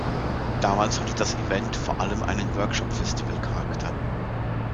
Damals hatte das Event vor allem einen Workshopfestival-Charakter.